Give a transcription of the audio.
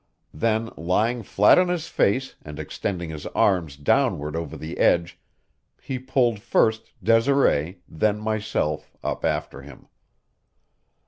Then, lying flat on his face and extending his arms downward over the edge, he pulled first Desiree, then myself, up after him.